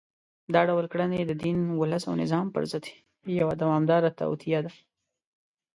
دا ډول کړنې د دین، ولس او نظام پر ضد یوه دوامداره توطیه ده